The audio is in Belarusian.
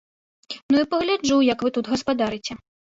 Ну і пагляджу, як вы тут гаспадарыце.